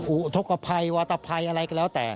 อุทธกภัยวาตภัยอะไรก็แล้วแต่